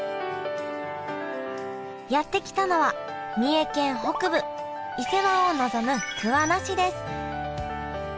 やって来たのは三重県北部伊勢湾を臨む桑名市です。